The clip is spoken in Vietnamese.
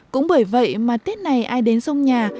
cũng bởi vậy mà tết này ai đến sông nhà